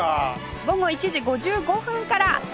午後１時５５分から！